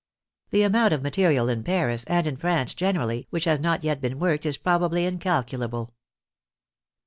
The amount of material in Paris, and in France generally, which has not yet been worked is probably incalculable.